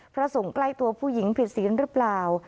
พระสงฆ์ใกล้ตัวผู้หญิงผิดศีลหรือเปล่า